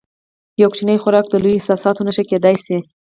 یو کوچنی خوراک د لویو احساساتو نښه کېدای شي.